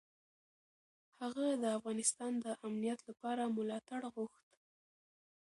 هغه د افغانستان د امنیت لپاره ملاتړ غوښت.